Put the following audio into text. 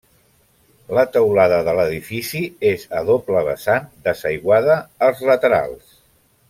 La teulada de l'edifici és a doble vessant, desaiguada als laterals.